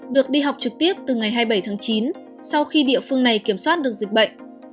được đi học trực tiếp từ ngày hai mươi bảy tháng chín sau khi địa phương này kiểm soát được dịch bệnh